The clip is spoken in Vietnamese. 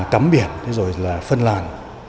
cắm biển rồi là phân làn